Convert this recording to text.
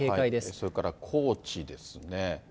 それから高知ですね。